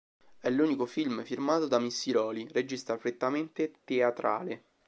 È l'unico film firmato da Missiroli, regista prettamente teatrale.